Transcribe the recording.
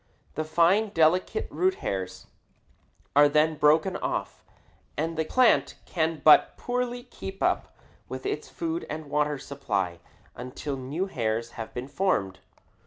The fine, delicate root hairs are then broken off, and the plant can but poorly keep up its food and water supply until new hairs have been formed.